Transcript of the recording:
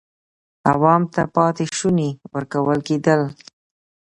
عوام ته پاتې شوني ورکول کېدل.